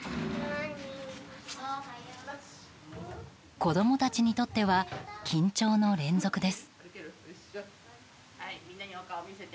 子供たちにとっては緊張の連続です。